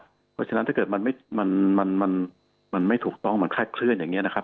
เพราะฉะนั้นถ้าเกิดมันไม่ถูกต้องมันคลาดเคลื่อนอย่างนี้นะครับ